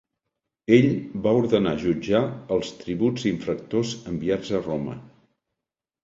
Ell va ordenar jutjar els tributs infractors enviats a Roma.